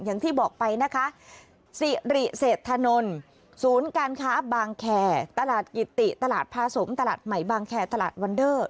อย่างที่บอกไปนะคะสิริเศรษฐนลศูนย์การค้าบางแคร์ตลาดกิติตลาดพาสมตลาดใหม่บางแคร์ตลาดวันเดอร์